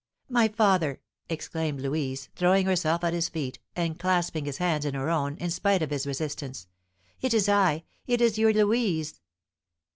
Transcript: "My father!" exclaimed Louise, throwing herself at his feet, and clasping his hands in her own, in spite of his resistance, "it is I it is your Louise!"